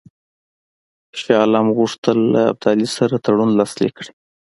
شاه عالم غوښتل له ابدالي سره تړون لاسلیک کړي.